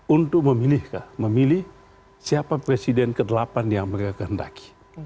untuk memilih siapa presiden ke delapan yang mereka kehendaki